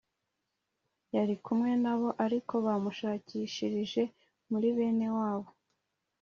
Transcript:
Yari kumwe na bo ariko bamushakishije muri bene wabo